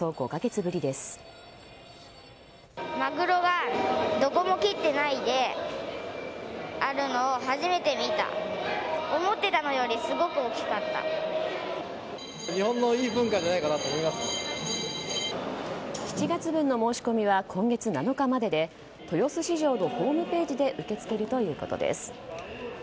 ７月分の申し込みは今月７日までで豊洲市場のホームページで受け付けるということです。